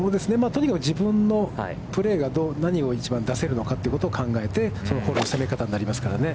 とにかく自分のプレーで何を一番出せるのかということを考えて、その攻め方になりますからね。